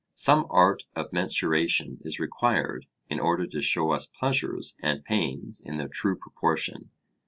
Some art of mensuration is required in order to show us pleasures and pains in their true proportion.